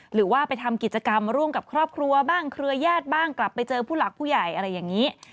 หรือว่าไปทำกิจกรรมร่วมกับครอบครัวบ้างเครือญาติบ้างกลับไปเจอผู้หลักผู้ใหญ่อะไรอย่างนี้